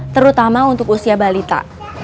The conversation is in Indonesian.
terutama untuk usia balita